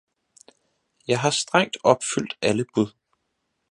Jeg har strengt opfyldt alle bud